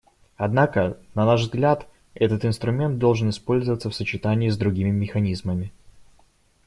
Однако, на наш взгляд, этот инструмент должен использоваться в сочетании с другими механизмами.